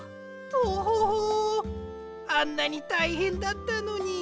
トホホあんなにたいへんだったのに。